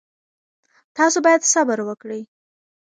تاسو باید صبر وکړئ.